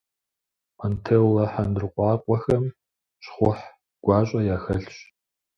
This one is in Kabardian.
Монтеллэ хьэндыркъуакъуэхэм щхъухь гуащӏэ яхэлъщ.